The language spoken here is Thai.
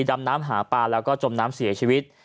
ดำน้ำหาปลาแล้วก็จมน้ำเสียชีวิต